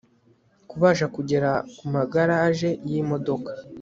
kubasha kugera ku magaraje y imodoka